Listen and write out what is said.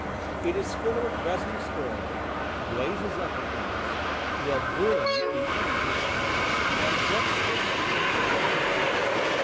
It is full of resinous oil, blazes up at once, will burn in any wind, and wet sticks can be kindled with it.